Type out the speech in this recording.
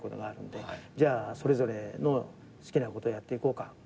じゃあそれぞれの好きなことやっていこうか。